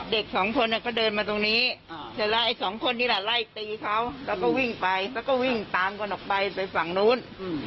เด็กสองคนก็เดินมาตรงนี้เสร็จแล้วไอ้สองคนนี้แหละไล่ตีเขาแล้วก็วิ่งไปแล้วก็วิ่งตามกันออกไปไปฝั่งนู้น